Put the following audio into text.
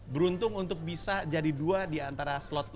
beruntung untuk bisa jadi dua diantara slot enam